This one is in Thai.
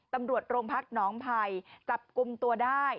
ตำรวจโรงพักหนองภัยจับกลุ่มตัวได้